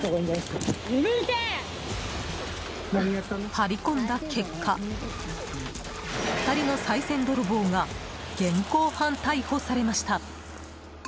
張り込んだ結果２人のさい銭泥棒が現行犯逮捕されました。